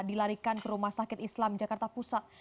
dilarikan ke rumah sakit islam jakarta pusat